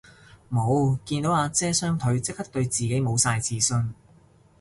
無，見到阿姐雙腿即刻對自己無晒自信